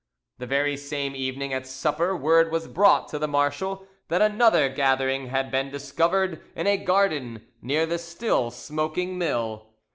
The very same evening at supper word was brought to the marshal that another gathering had been discovered in a garden near the still smoking mill.